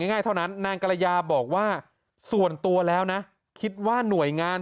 ง่ายเท่านั้นนางกรยาบอกว่าส่วนตัวแล้วนะคิดว่าหน่วยงาน